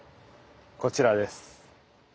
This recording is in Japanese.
こちらです。